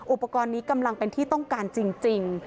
อุปกรณ์นี้กำลังเป็นที่ต้องการจริง